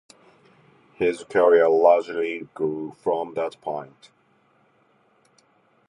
His career largely grew from that point.